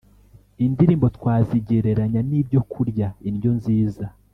Indirimbo twazigereranya n ibyokurya Indyo nziza